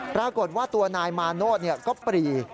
ปรากฏว่าตัวนายมาโนธก็ปรี